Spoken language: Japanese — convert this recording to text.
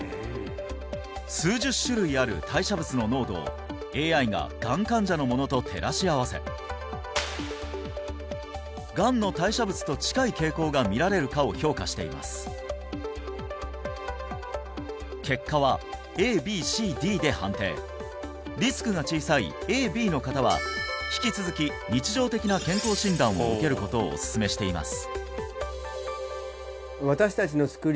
数十種類ある代謝物の濃度をＡＩががん患者のものと照らし合わせがんの代謝物と近い傾向が見られるかを評価しています結果はＡＢＣＤで判定リスクが小さいＡＢの方は引き続き日常的な健康診断を受けることをおすすめしています